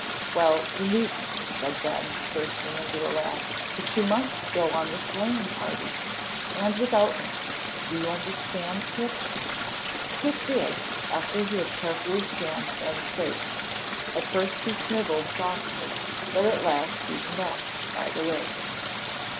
"Well, you needn't," said Ben, bursting into a laugh, "but you must go on the sleighing party, and without me. Do you understand, Pip?" Pip did, after he had carefully scanned Ben's face. At first he snivelled softly, but at last even that died away.